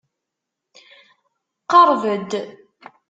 Qṛeb-d!